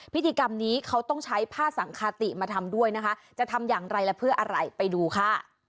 พิธีกรรมนี้เขาต้องใช้ผ้าสังคติมาทำด้วยนะคะจะทำอย่างไรและเพื่ออะไรไปดูค่ะ